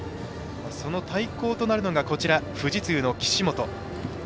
その対抗となるのが富士通の岸本。